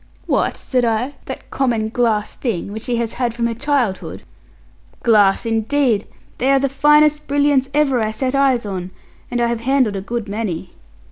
'What,' said I, 'that common glass thing, which she has had from her childhood!' 'Glass indeed! They are the finest brilliants ever I set eyes on; and I have handled a good many.'